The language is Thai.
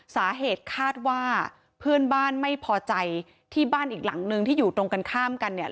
สาเหตุคาดว่าเพื่อนบ้านไม่พอใจที่บ้านอีกหลังนึงที่อยู่ตรงกันข้ามกันเนี่ย